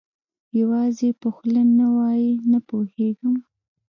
یوازې یې په خوله نه وایي، نه پوهېږم.